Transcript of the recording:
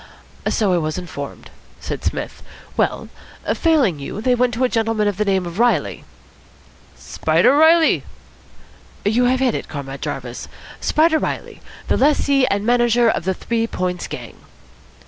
'" "So I was informed," said Psmith. "Well, failing you, they went to a gentleman of the name of Reilly." "Spider Reilly?" "You have hit it, Comrade Jarvis. Spider Reilly, the lessee and manager of the Three Points gang."